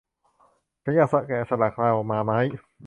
ฉันอยากแกะสลักโลมาไม้